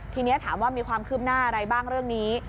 ทีนี้ถามว่ามีความคืบหน้าอะไรบ้างเรื่องนี้